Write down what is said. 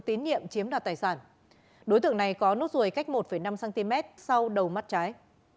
tín nhiệm chiếm đoạt tài sản đối tượng này có nốt ruồi cách một năm cm sau đầu mắt trái